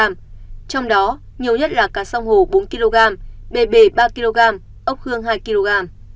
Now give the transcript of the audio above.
trong đó nhiều nhất là cá song hổ bốn kg bề bề ba kg ốc hương hai kg